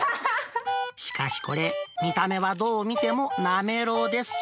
しかし、これ、見た目はどう見てもなめろうです。